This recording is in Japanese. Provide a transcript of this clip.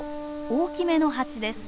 大きめのハチです。